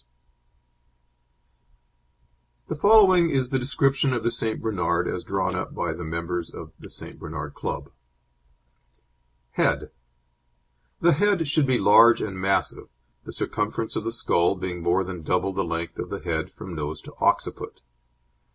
Reid, Wishaw] The following is the description of the St. Bernard as drawn up by the members of the St. Bernard Club: HEAD The head should be large and massive, the circumference of the skull being more than double the length of the head from nose to occiput.